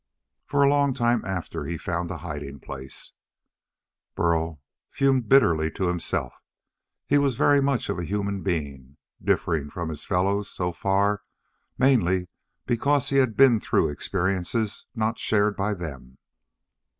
For a long time after he found a hiding place, Burl fumed bitterly to himself. He was very much of a human being, differing from his fellows so far mainly because he had been through experiences not shared by them.